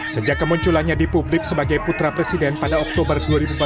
sejak kemunculannya di publik sebagai putra presiden pada oktober dua ribu empat belas